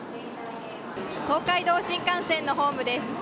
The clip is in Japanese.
東海道新幹線のホームです。